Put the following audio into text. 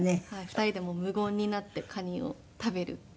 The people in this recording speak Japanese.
２人で無言になってカニを食べるっていう。